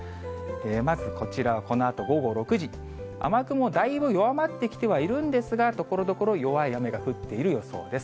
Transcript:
まずこちら、このあと午後６時、雨雲、だいぶ弱まってきてはいるんですが、ところどころ弱い雨が降っている予想です。